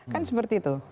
kan seperti itu